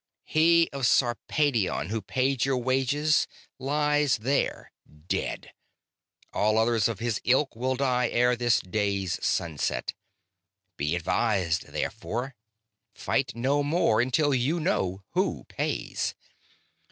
"He of Sarpedion who paid your wages lies there dead. All others of his ilk will die ere this day's sunset. Be advised, therefore; fight no more until you know who pays.